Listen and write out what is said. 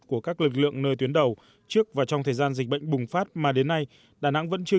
của các lực lượng nơi tuyến đầu trước và trong thời gian dịch bệnh bùng phát mà đến nay đà nẵng vẫn chưa